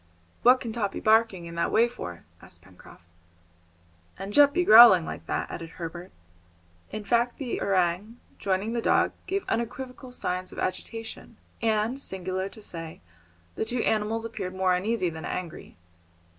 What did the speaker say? "What can Top be barking in that way for?" asked Pencroft. "And Jup be growling like that?" added Herbert. In fact the orang, joining the dog, gave unequivocal signs of agitation, and, singular to say, the two animals appeared more uneasy than angry.